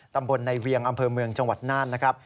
ตำบลในเวียงอำเภอเมืองจังหวัดน่านนะครับ